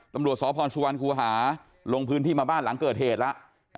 ตำรวจสพสุวรรณคูหาลงพื้นที่มาบ้านหลังเกิดเหตุแล้ว